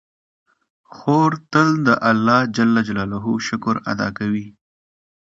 خور تل د الله شکر ادا کوي.